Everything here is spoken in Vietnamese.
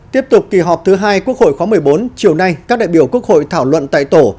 tiếp tục kỳ họp thứ hai quốc hội khóa một mươi bốn chiều nay các đại biểu quốc hội thảo luận tại tổ